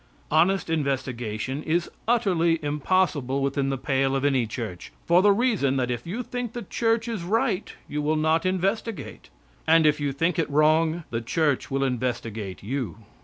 Honest investigation is utterly impossible within the pale of any church, for the reason that if you think the church is right you will not investigate, and if you think it wrong, the church will investigate you.